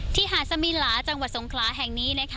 ที่หาดสมิลาจังหวัดทรงคลาแห่งนี้